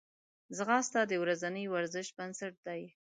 ځغاسته د ورځني ورزش بنسټ دی